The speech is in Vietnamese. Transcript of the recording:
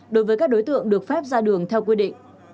đối với các đối tượng được phép ra đường theo quy định